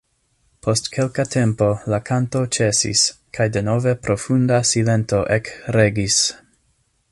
Post kelka tempo la kanto ĉesis, kaj denove profunda silento ekregis.